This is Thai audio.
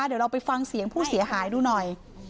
เดี๋ยวเราไปฟังเสียงผู้เสียหายดูหน่อย